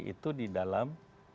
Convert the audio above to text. itu di dalam